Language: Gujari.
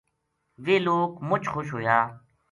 ویہ لوک مچ خوش ہویا